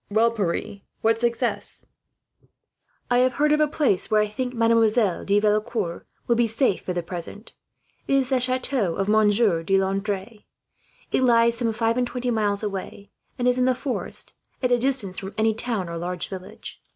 "Well, Pierre, what success?" "I have heard of a place where I think Mademoiselle de Valecourt would be safe, for the present. It is the chateau of Monsieur de Landres. It lies some five and twenty miles away, and is in the forest, at a distance from any town or large village.